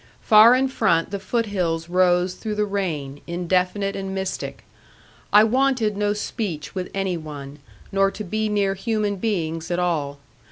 Far in front the foot hills rose through the rain, indefinite and mystic. I wanted no speech with any one, nor to be near human beings at all.